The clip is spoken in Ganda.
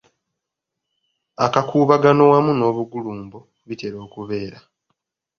Akakuubagano wamu n’obugulumbo bitera okubeera.